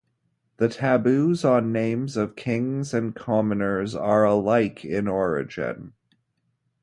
The taboos on names of kings and commoners are alike in origin.